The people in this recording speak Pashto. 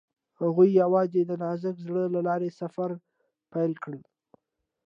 هغوی یوځای د نازک زړه له لارې سفر پیل کړ.